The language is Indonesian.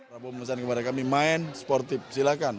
bapak presiden kepada kami main sportif silakan